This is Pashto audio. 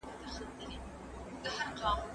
سبزېجات د زهشوم له خوا خوړل کيږي!